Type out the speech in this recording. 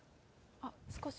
あっ、少し。